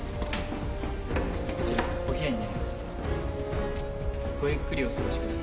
・こちらお冷やになります。